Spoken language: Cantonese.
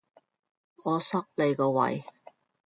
我塞你個胃!